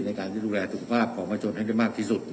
ในการดูแลสถุภาพของชวนให้ดีมากที่สุด